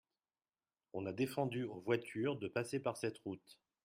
on a défendu aux voitures de passer par cette route.